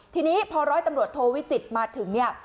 ทีนี้พอร้อยตำรวจโทวิจิตรมาถึงเนี่ย